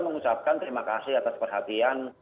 mengucapkan terima kasih atas perhatian